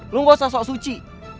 lo gak usah sok suci